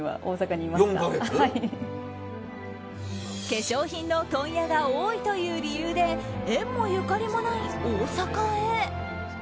化粧品の問屋が多いという理由で縁もゆかりもない大阪へ。